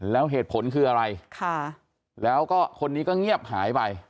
แล้วเหตุผลคืออะไรแล้วก็คนนี้ก็เงียบหายไป